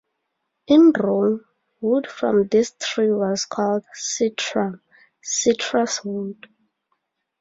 In Rome, wood from this tree was called "citrum", "citrus wood".